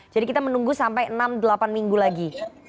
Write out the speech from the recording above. jadi kita menunggu sampai enam sampai delapan minggu lagi